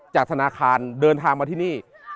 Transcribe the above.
จากธนาคารเดินทางมาที่นี่